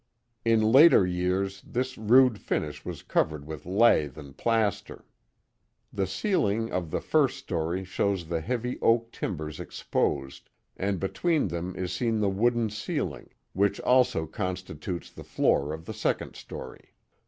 In later years this rude finish was covered with lath and plaster. The ceiling of the first story shows the heavy oak timbers exposed, and between them is seen the wooden ceiling, which also constitutes the floor of the second story.